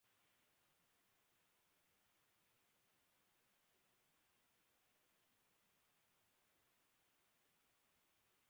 Hala ere, bilduma horretan azaltzen ziren kantuak bere jarraitzaileek aukeratutakoak izan ziren.